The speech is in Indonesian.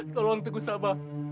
tolong teguh sabah